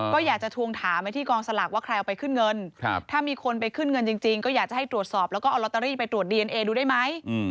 ก็อยากจะทวงถามไปที่กองสลากว่าใครเอาไปขึ้นเงินถ้ามีคนไปขึ้นเงินจริงก็อยากจะให้ตรวจสอบแล้วก็เอาลอตเตอรี่ไปตรวจดีเอนเอดูได้ไหม